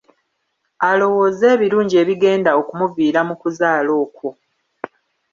Alowooze ebirungi ebigenda okumuviira mu kuzaala okwo.